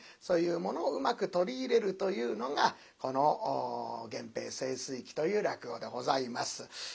そういうものをうまく取り入れるというのがこの「源平盛衰記」という落語でございます。